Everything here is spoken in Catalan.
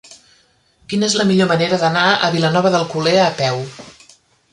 Quina és la millor manera d'anar a Vilanova d'Alcolea a peu?